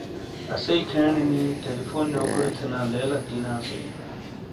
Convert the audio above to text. اَسیئ کھینی نی ٹیلیفون یو کیڑے تھینا لیل اَکی نے اَسیلی۔